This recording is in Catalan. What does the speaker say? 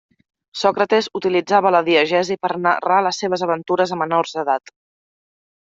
Sòcrates utilitzava la diegesi per narrar les seves aventures a menors d'edat.